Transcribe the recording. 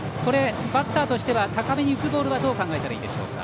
バッターとしては高めに浮くボールはどう考えたらいいでしょうか。